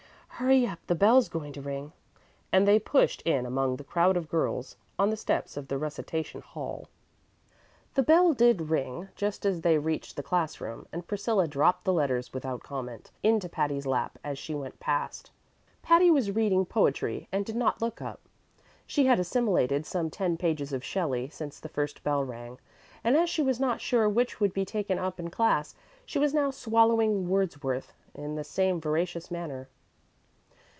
Hurry up; the bell's going to ring"; and they pushed in among the crowd of girls on the steps of the recitation hall. The bell did ring just as they reached the class room, and Priscilla dropped the letters, without comment, into Patty's lap as she went past. Patty was reading poetry and did not look up. She had assimilated some ten pages of Shelley since the first bell rang, and as she was not sure which would be taken up in class, she was now swallowing Wordsworth in the same voracious manner.